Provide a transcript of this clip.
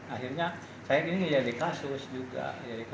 akhirnya saya ini menjadi kasus juga